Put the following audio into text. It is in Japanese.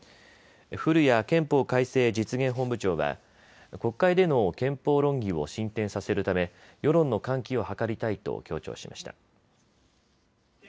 古屋憲法改正実現本部長は、国会での憲法論議を進展させるため世論の喚起を図りたいと強調しました。